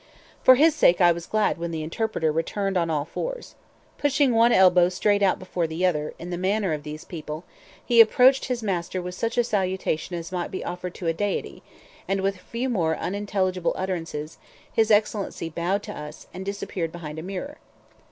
For his sake I was glad when the interpreter returned on all fours. Pushing one elbow straight out before the other, in the manner of these people, he approached his master with such a salutation as might be offered to deity; and with a few more unintelligible utterances, his Excellency bowed to us, and disappeared behind a mirror.